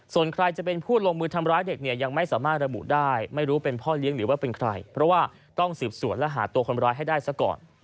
ส่วนใครจะเป็นผู้ลงมือทำร้ายเด็กเนี่ยยังไม่สามารถระบุได้ไม่รู้เป็นพ่อเลี้ยงหรือว่าเป็นใครเพราะว่าต้องสืบสวนและหาตัวคนร้ายให้ได้ซะก่อน